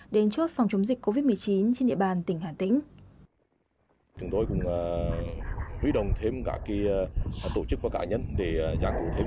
đến hai mươi hai h tối một mươi hai tháng sáu